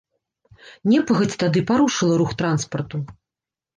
Непагадзь тады парушыла рух транспарту.